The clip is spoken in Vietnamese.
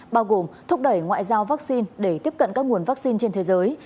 bao gồm thúc đẩy ngoại giao vaccine để tiếp cận các nguồn vaccine trên thế giới